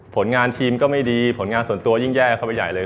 ผลงานทีมก็ไม่ดีผลงานส่วนตัวยิ่งแย่เข้าไปใหญ่เลย